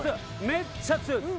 めっちゃ強いです。